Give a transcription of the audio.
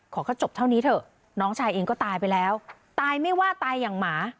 ขอเขาจบเท่านี้เถอะน้องชายเองก็ตายไปแล้วตายไม่ว่าตายอย่างหมา